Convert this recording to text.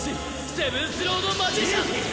セブンスロード・マジシャン！